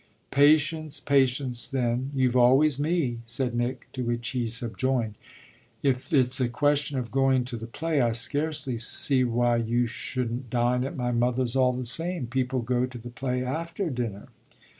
"Patience, patience then you've always me!" said Nick; to which he subjoined: "If it's a question of going to the play I scarcely see why you shouldn't dine at my mother's all the same. People go to the play after dinner."